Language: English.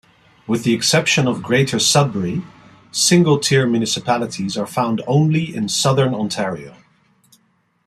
With the exception of Greater Sudbury, single-tier municipalities are found only in Southern Ontario.